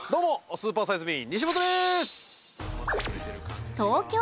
スーパーサイズ・ミー西本です。